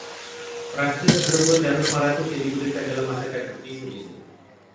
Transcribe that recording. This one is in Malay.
Perasa, herba dan rempah ratus yang digunakan dalam masakan berbeza-beza.